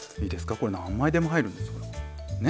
これ何枚でも入るんですよ。ね。